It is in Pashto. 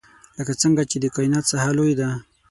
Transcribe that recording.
لکه څنګه چې د کاینات ساحه لوی ده.